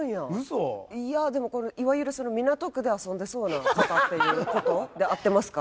いやでもこれいわゆる港区で遊んでそうな方っていう事で合ってますか？